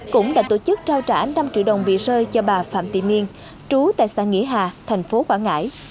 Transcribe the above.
cũng đã tổ chức trao trả năm triệu đồng vị rơi cho bà phạm thị miên trú tại xã nghĩa hà thành phố quảng ngãi